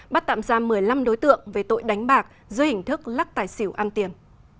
bắt tạm ra một mươi năm đối tượng về tội đánh bạc dưới hình thức lắc tài xỉu ăn tiền